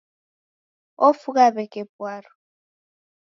Ofugha w'eke pwaru.